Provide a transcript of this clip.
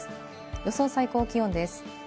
予想最高気温です。